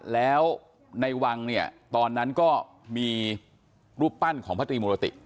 แล้วในวังเนี่ยตอนนั้นก็มีรูปปั้นของพระตรีมุรติ